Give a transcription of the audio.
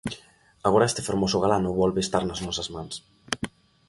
Agora este fermoso galano volve estar nas nosas mans.